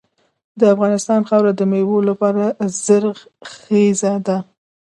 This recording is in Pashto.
د افغانستان خاوره د میوو لپاره زرخیزه ده.